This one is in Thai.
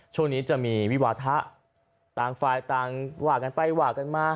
ช่วงนี้จะมีวิวาทะต่างฝ่ายต่างว่ากันไปว่ากันมา